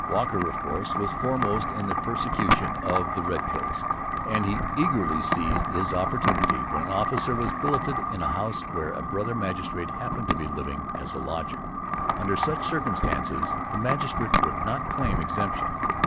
Walker, of course, was foremost in the persecution of the redcoats; and he eagerly seized his opportunity when an officer was billeted in a house where a brother magistrate happened to be living as a lodger. Under such circumstances the magistrate could not claim exemption.